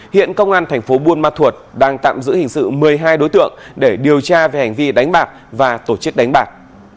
hiện công an thành phố buôn ma thuột đang tạm giữ hình sự một mươi hai đối tượng để điều tra về hành vi đánh bạc và tổ chức đánh bạc